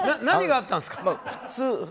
何があったんですか？